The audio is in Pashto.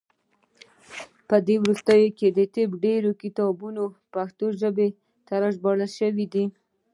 په دې وروستیو کې د طب ډیری کتابونه پښتو ژبې ته ژباړل شوي دي.